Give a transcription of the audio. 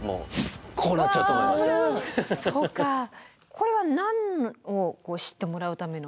これは何を知ってもらうための？